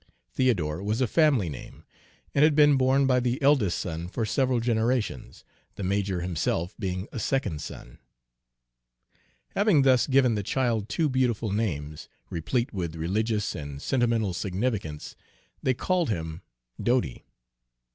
Theodore was a family name, and had been borne by the eldest son for several generations, the major himself being a second son. Having thus given the child two beautiful names, replete with religious and sentimental significance, they called him "Dodie."